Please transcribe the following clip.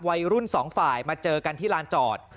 วัยรุ่นสองฝ่ายมาเจอกันที่ลานจอด